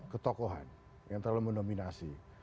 ketokohan yang terlalu mendominasi